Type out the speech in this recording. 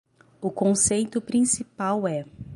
O conceito principal é